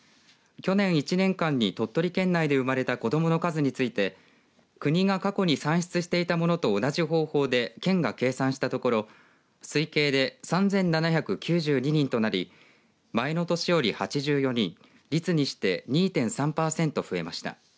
去年１年間に鳥取県内で生まれた子どもの数について国が過去に算出していたものと同じ方法で県が計算したところ推計で３７９２人となり前の年より８４人率にして２．３パーセント増えました。